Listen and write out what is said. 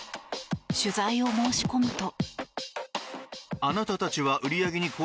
取材を申し込むと。